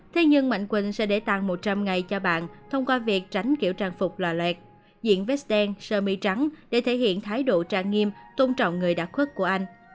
thế nhưng mạnh quỳnh sẽ để tăng một trăm linh ngày cho bạn thông qua việc tránh kiểu trang phục lò lẹt diễn vest đen sơ mi trắng để thể hiện thái độ trang nghiêm tôn trọng người đặc khuất của anh